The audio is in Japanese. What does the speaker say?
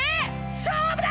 勝負だ！